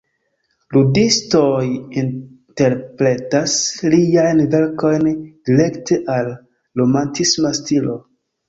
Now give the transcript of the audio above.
Ludistoj interpretas liajn verkojn direkte al "romantisma stilo".